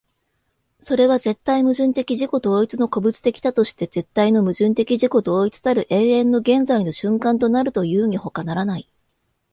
それは絶対矛盾的自己同一の個物的多として絶対の矛盾的自己同一たる永遠の現在の瞬間となるというにほかならない。